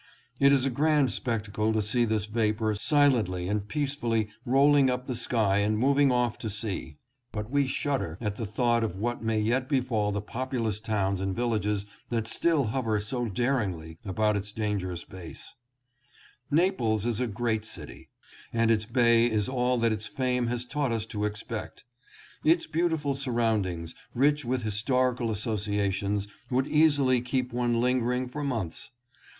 It is a grand spectacle to see this vapor silently and peacefully rolling up the sky and moving off to sea, but we shudder at the thought of what may yet befall the populous towns and villages that still hover so daringly about its dan gerous base. 702 VESUVIUS AND NAPLES. Naples is a great city, and its bay is all that its fame has taught us to expect. Its beautiful surroundings rich with historical associations would easily keep one lingering for months.